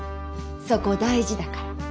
そこ大事だから。